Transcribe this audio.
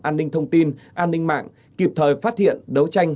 an ninh thông tin an ninh mạng kịp thời phát hiện đấu tranh